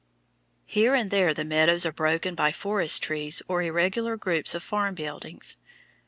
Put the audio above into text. Here and there the meadows are broken by forest trees or irregular groups of farm buildings.